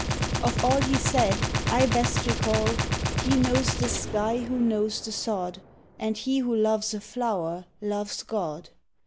Of all he said, I best recall : "He knows the sky who knows the sod. And he who loves a flower, loves God."